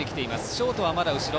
ショートはまだ後ろ。